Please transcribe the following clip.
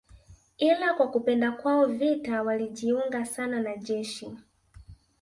Ila kwa kupenda kwao vita walijiunga sana na jeshi